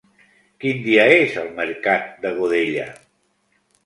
Quin dia és el mercat de Godella?